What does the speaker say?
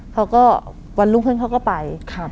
เขาก็วันรุ่งขึ้นเขาก็ไป